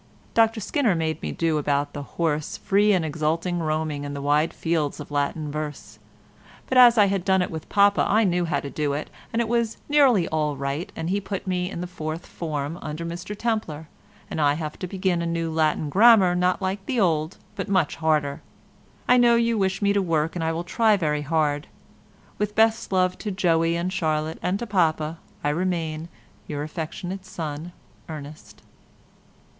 Dr Skinner made me do about the horse free and exulting roaming in the wide fields in Latin verse, but as I had done it with Papa I knew how to do it, and it was nearly all right, and he put me in the fourth form under Mr Templer, and I have to begin a new Latin grammar not like the old, but much harder. I know you wish me to work, and I will try very hard. With best love to Joey and Charlotte, and to Papa, I remain, your affectionate son, ERNEST."